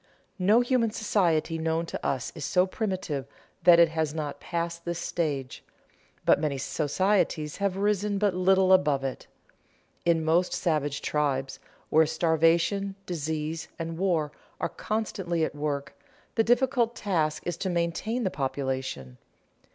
No human society known to us is so primitive that it has not passed this stage, but many societies have risen but little above it. In most savage tribes, where starvation, disease, and war are constantly at work, the difficult task is to maintain the population.